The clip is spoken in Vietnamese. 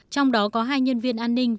trong đó có hai nhân viên an ninh